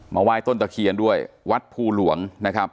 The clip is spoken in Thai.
ไหว้ต้นตะเคียนด้วยวัดภูหลวงนะครับ